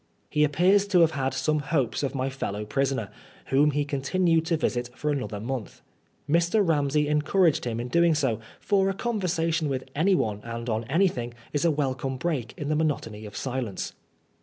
He appears to have had some hopes of my fellow prisoner, whom he continued to visit for another month. Mr. Ramsey encouraged him in doing so, for a conversation with anyone and on anything is a wel come break in the monotony of silence.